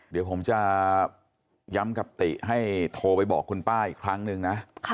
เดี๋ยวผมจะย้ำกับติให้โทรไปบอกคุณป้าอีกครั้งหนึ่งนะ